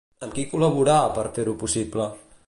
Amb qui col·laborarà per fer-ho possible?